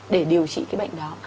để điều trị cái bệnh đó